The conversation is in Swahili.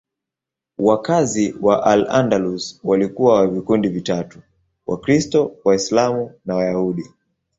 Wakazi wa Al-Andalus walikuwa wa vikundi vitatu: Wakristo, Waislamu na Wayahudi.